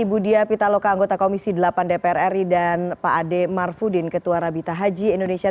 ibu dia pitaloka anggota komisi delapan dpr ri dan pak ade marfudin ketua rabita haji indonesia